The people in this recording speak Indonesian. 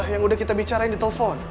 yang udah kita bicarain di telepon